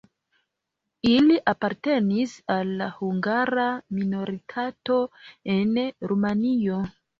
Ili apartenis al la hungara minoritato en Rumanio.